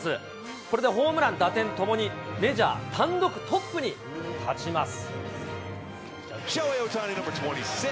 これでホームラン、打点ともにメジャー単独トップに立ちます。